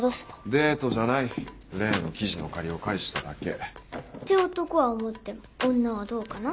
デートじゃない例の記事の借りを返しただけ。って男は思っても女はどうかな。